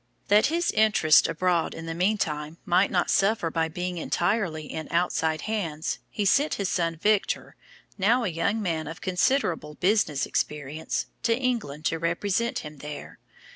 That his interests abroad in the meantime might not suffer by being entirely in outside hands, he sent his son Victor, now a young man of considerable business experience, to England to represent him there.